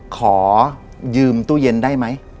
ขอยืมตู้เย็นได้ไหม